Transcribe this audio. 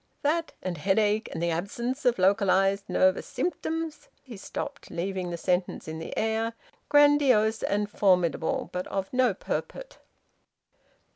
That, and headache, and the absence of localised nervous symptoms " He stopped, leaving the sentence in the air, grandiose and formidable, but of no purport.